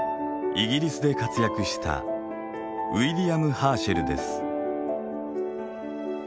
イギリスで活躍したウィリアム・ハーシェルです。